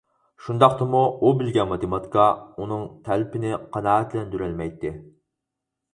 شۇنداقتىمۇ ئۇ بىلگەن ماتېماتىكا، ئۇنىڭ تەلىپىنى قانائەتلەندۈرەلمەيتتى.